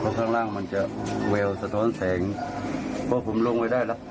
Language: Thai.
เพราะข้างล่างมันจะแววสะท้อนแสงเพราะผมลงไว้ได้ละ